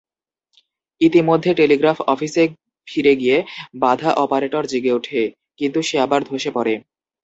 ইতিমধ্যে, টেলিগ্রাফ অফিসে ফিরে গিয়ে, বাঁধা অপারেটর জেগে ওঠে, কিন্তু সে আবার ধসে পড়ে।